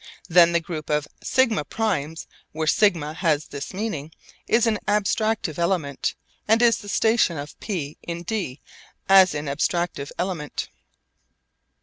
Then the group of σ primes, where σ has this meaning, is an abstractive element and is the station of P in d as an abstractive element.